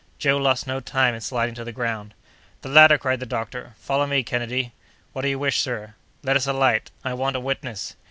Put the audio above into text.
Joe lost no time in sliding to the ground. "The ladder!" cried the doctor. "Follow me, Kennedy." "What do you wish, sir?" "Let us alight. I want a witness."